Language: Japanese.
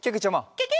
ケケ！